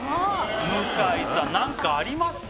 向井さん何かありますか？